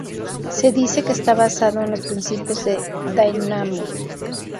Se dice que está "basado en los principios de Dynamo".